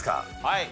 はい。